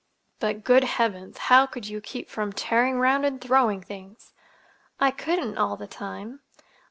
"But, good Heavens, how could you keep from tearing 'round and throwing things?" "I couldn't—all the time.